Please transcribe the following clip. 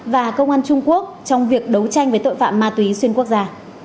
và công an trung quốc trong việc đấu tranh với tội phạm ma túy xuyên quốc gia